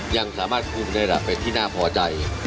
ยังสามารถคุณให้เป็นที่น่าพอใจ